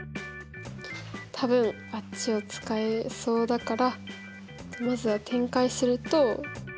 多分あっちを使えそうだからまずは展開すると。